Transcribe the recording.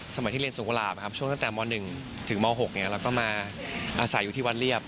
ที่เรียนสงกุหลาบช่วงตั้งแต่ม๑ถึงม๖แล้วก็มาอาศัยอยู่ที่วัดเรียบ